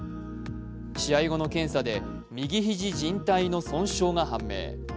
試合後の検査で右肘じん帯の損傷が判明。